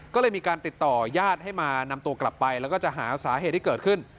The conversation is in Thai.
ก็เลยมีการติดต่อญาติให้มานำตัวกลับไปแล้วก็จะหาสาเหตุที่เกิดขึ้น